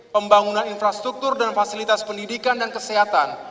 pembangunan infrastruktur dan fasilitas pendidikan dan kesehatan